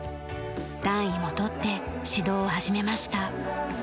段位も取って指導を始めました。